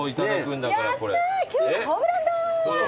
今日はホームランだ！